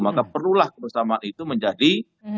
maka perlulah kebersamaan itu menjadi kebutuhan kita sendiri